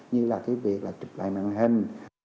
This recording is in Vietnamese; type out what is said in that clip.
như là cái việc là chụp lại mạng hình